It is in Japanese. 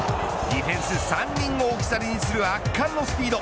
ディフェンス３人を置き去りにする圧巻のスピード。